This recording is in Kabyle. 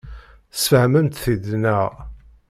Tesfehmemt-t-id, naɣ?